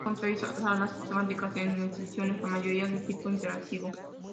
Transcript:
Cuenta con seis salas temáticas con exhibiciones, la mayoría de tipo interactivo.